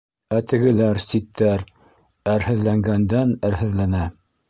Ә тегеләр, ситтәр, әрһеҙләнгәндән-әрһеҙләнә.